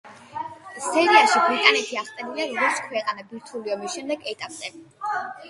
სერიაში ბრიტანეთი აღწერილია, როგორც ქვეყანა ბირთვული ომის შემდგომ ეტაპზე.